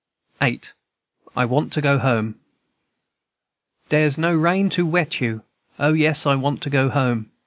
VIII. I WANT TO GO HOME. "Dere's no rain to wet you, O, yes, I want to go home.